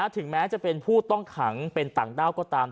ถึงแม้จะเป็นผู้ต้องขังเป็นต่างด้าวก็ตาม